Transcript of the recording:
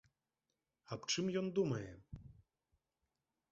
Аб чым ён думае?